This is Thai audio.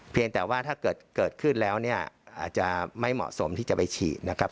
เพียงแต่ว่าถ้าเกิดขึ้นแล้วเนี่ยอาจจะไม่เหมาะสมที่จะไปฉีดนะครับ